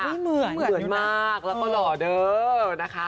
เหมือนอยู่นะเหมือนมากแล้วก็หล่อเดิมนะคะ